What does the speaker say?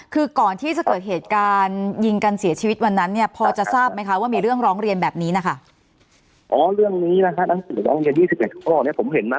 เรื่องนี้นะครับ๒๗ครั้วผมเห็นตั้งแต่ปี๖๑แล้ว